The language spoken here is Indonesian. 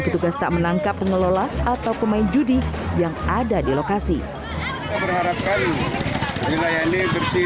petugas tak menangkap pengelola atau pemain judi yang ada di lokasi kita berharap kali ini bersih